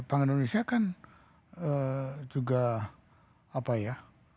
bank indonesia kan juga apa ya